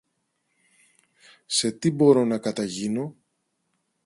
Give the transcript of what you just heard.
Σε τι μπορώ να καταγίνω;